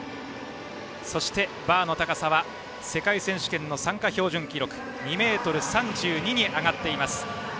そして、バーの高さは世界選手権の参加標準記録２ｍ３２に上がっています。